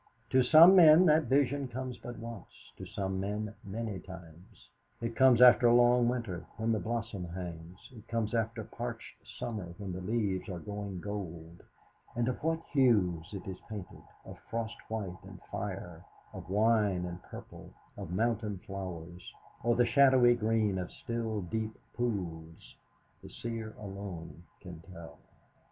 To some men that vision comes but once, to some men many times. It comes after long winter, when the blossom hangs; it comes after parched summer, when the leaves are going gold; and of what hues it is painted of frost white and fire, of wine and purple, of mountain flowers, or the shadowy green of still deep pools the seer alone can tell.